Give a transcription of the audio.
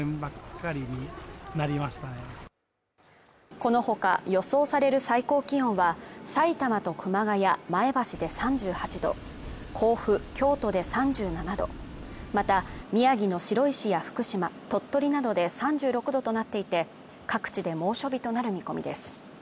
このほか予想される最高気温はさいたまと熊谷、前橋で３８度甲府、京都で３７度また宮城の白石や福島鳥取などで３６度となっていて各地で猛暑日となる見込みです